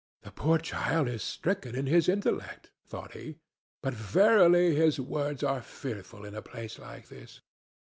"The poor child is stricken in his intellect," thought he, "but verily his words are fearful in a place like this."